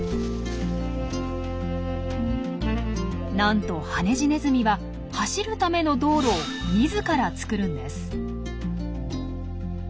なんとハネジネズミは走るための道路を自ら作るんです。